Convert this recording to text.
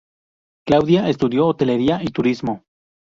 Claudia estudió Hotelería y Turismo.